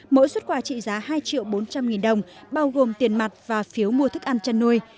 mỗi xuất quà trị giá hai triệu bốn trăm linh nghìn đồng bao gồm tiền mặt và phiếu mua thức ăn chăn nuôi